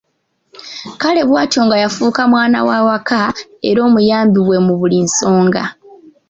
Kale bw'atyo nga yafuuka mwana wa waka, era omuyambi we mu buli nsonga.